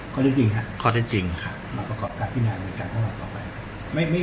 ข้อที่จริงค่ะข้อที่จริงค่ะมาประกอบการพินาศเหมือนกันข้างหลังต่อไป